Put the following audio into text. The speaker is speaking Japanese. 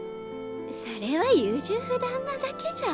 それは優柔不断なだけじゃ。